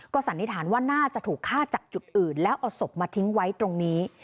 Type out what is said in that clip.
สันนิษฐานว่าน่าจะถูกฆ่าจากจุดอื่นแล้วเอาศพมาทิ้งไว้ตรงนี้